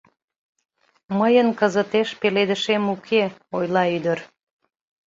— Мыйын кызытеш пеледышем уке, — ойла ӱдыр.